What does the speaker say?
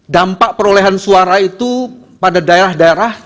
dampak perolehan suara itu pada daerah daerah